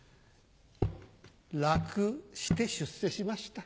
ラクして出世しました。